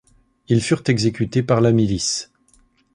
Ils furent exécutés par la milice.